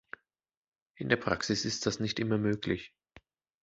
In der Praxis ist das nicht immer möglich.